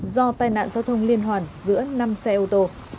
do tai nạn giao thông liên hoàn giữa năm xe ô tô